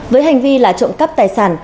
với hành vi là trộm cắp tài sản